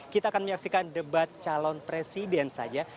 kita akan menyaksikan debat calon presiden saja